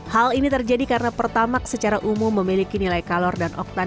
hal ini terjadi karena pertamax secara umum memiliki nilai kalor dan oktan